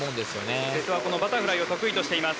瀬戸はバタフライを得意としています。